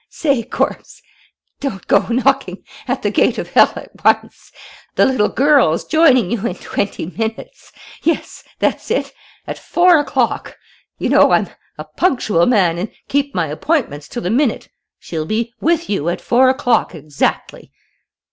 I say! Corpse! Don't go knocking at the gate of hell at once!... The little girl's joining you in twenty minutes.... Yes, that's it, at four o'clock.... You know I'm a punctual man and keep my appointments to the minute.... She'll be with you at four o'clock exactly.